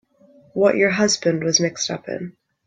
What your husband was mixed up in.